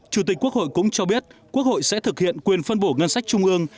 chủ tịch quốc hội cũng cho biết quốc hội sẽ thực hiện quyền phân bổ ngân sách trung ương